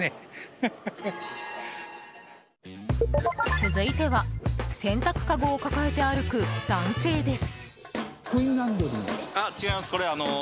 続いては洗濯かごを抱えて歩く男性です。